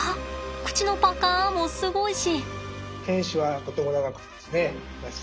口のパカもすごいし。